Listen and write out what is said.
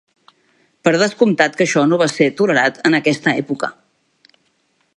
Per descomptat que això no va ser tolerat en aquesta època.